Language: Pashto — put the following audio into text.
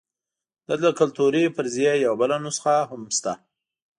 دلته د کلتوري فرضیې یوه بله نسخه هم شته.